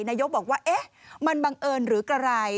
นายกรัฐมนตรีบอกว่ามันบังเอิญหรือกระไร